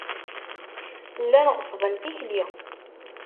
Llan ɣeṣṣben tikli.